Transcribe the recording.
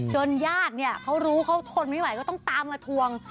ญาติเนี่ยเขารู้เขาทนไม่ไหวก็ต้องตามมาทวง